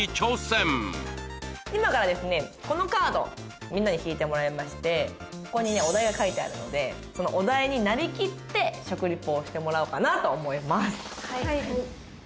このカードみんなに引いてもらいましてここにねお題が書いてあるのでそのお題になりきって食リポをしてもらおうかなと思います